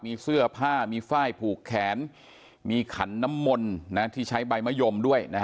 มีเสื้อผ้ามีฝ้ายผูกแขนมีขันน้ำมนต์ที่ใช้ใบมะยมด้วย